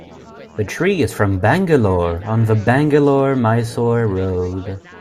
The tree is from Bangalore, on the Bangalore - Mysore Road.